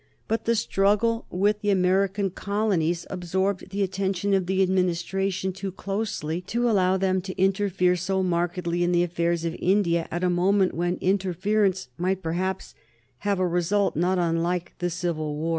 But the struggle with the American colonies absorbed the attention of the Administration too closely to allow them to interfere so markedly in the affairs of India at a moment when interference might perhaps have a result not unlike the civil war.